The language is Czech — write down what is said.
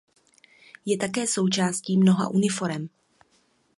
Je také součástí mnoha uniforem.